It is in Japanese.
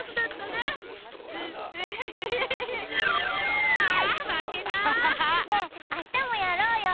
ねえあしたもやろうよ。